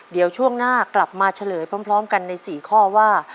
เดี๋ยวช่วงหน้ากลับมาเฉลยพร้อมกันใน๔ข้อว่า